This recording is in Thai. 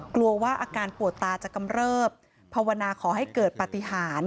กลัวว่าอาการปวดตาจะกำเริบภาวนาขอให้เกิดปฏิหาร